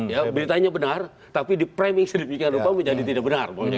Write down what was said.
ya beritanya benar tapi di framing sedemikian rupa menjadi tidak benar